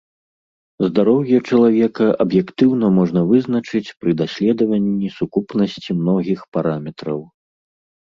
Здароўе чалавека аб'ектыўна можна вызначыць пры даследаванні сукупнасці многіх параметраў.